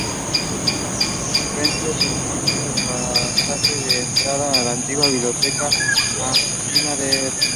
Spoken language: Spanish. Enfrente se encuentra el pasaje de entrada a la antigua Biblioteca Argentina Dr.